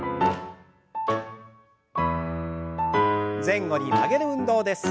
前後に曲げる運動です。